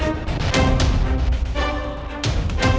demi medan di jepang